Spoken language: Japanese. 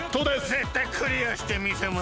ぜったいクリアしてみせます！